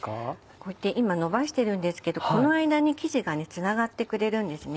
こうやって今のばしてるんですけどこの間に生地がつながってくれるんですね。